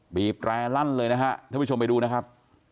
บีบแกล้งลั่นเลยนะครับทุกผู้ชมไปดูนะครับ